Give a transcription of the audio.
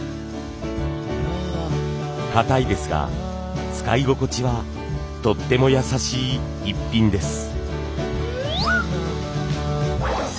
かたいですが使い心地はとっても優しいイッピンです。